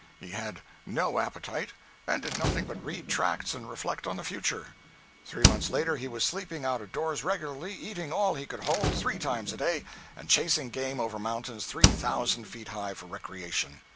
He had no appetite, and did nothing but read tracts and reflect on the future. Three months later he was sleeping out of doors regularly, eating all he could hold, three times a day, and chasing game over mountains three thousand feet high for recreation.